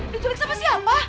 diculik sama siapa